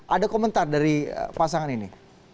ada komentar dari pasangan ini